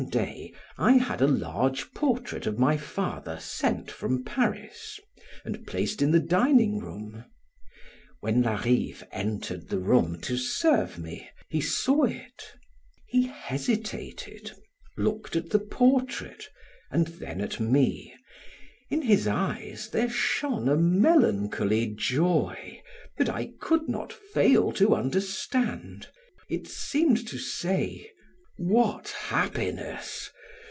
One day I had a large portrait of my father sent from Paris, and placed it in the dining room. When Larive entered the room to serve me, he saw it; he hesitated, looked at the portrait, and then at me, in his eyes there shone a melancholy joy that I could not fail to understand. It seemed to say: "What happiness!